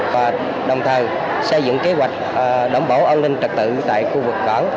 và đồng thời xây dựng kế hoạch đảm bảo an ninh trật tự tại khu vực cảng